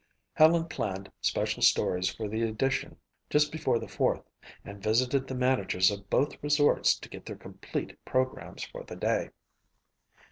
Helen planned special stories for the edition just before the Fourth and visited the managers of both resorts to get their complete programs for the day.